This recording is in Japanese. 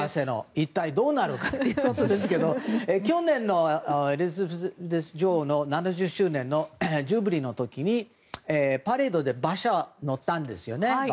一体どうなのかということですが去年のエリザベス女王の７０周年のジュビリーの時にパレードで馬車に乗ったんですよね。